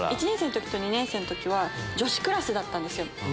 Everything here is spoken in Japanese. １年生の時と２年生の時は女子クラスだったんですよ。